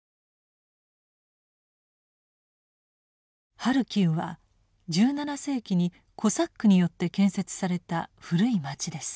ハルキウは１７世紀にコサックによって建設された古い町です。